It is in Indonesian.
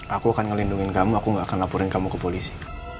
aku akan ngelindungin kamu aku gak akan laporin kamu ke polisi